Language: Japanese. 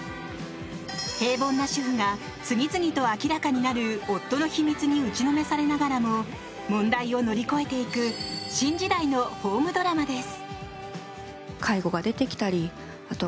平凡な主婦が次々と明らかになる夫の秘密に打ちのめされながらも問題を乗り越えていく新時代のホームドラマです。